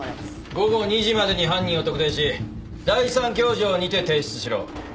午後２時までに犯人を特定し第３教場にて提出しろ。